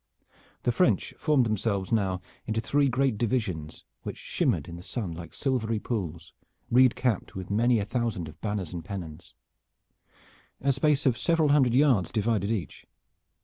The French formed themselves now into three great divisions, which shimmered in the sun like silvery pools, reed capped with many a thousand of banners and pennons. A space of several hundred yards divided each.